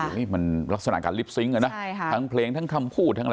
นี่มันลักษณะการลิปซิงค์อ่ะนะใช่ค่ะทั้งเพลงทั้งคำพูดทั้งอะไร